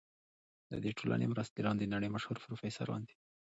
د دې ټولنې مرستیالان د نړۍ مشهور پروفیسوران دي.